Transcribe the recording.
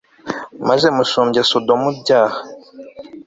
maze musumbya sodomu ibyaha